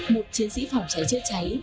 một chiến sĩ phòng chữa chữa cháy